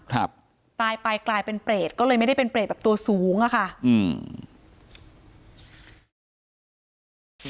ครับตายไปกลายเป็นเปรตก็เลยไม่ได้เป็นเปรตแบบตัวสูงอ่ะค่ะอืม